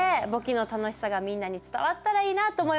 簿記の楽しさがみんなに伝わったらいいなと思います。